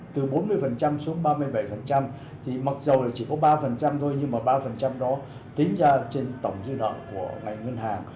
từ bốn mươi xuống ba mươi bảy thì mặc dù là chỉ có ba thôi nhưng mà ba đó tính ra trên tổng dư nợ của ngành ngân hàng